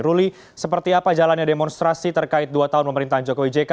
ruli seperti apa jalannya demonstrasi terkait dua tahun pemerintahan jokowi jk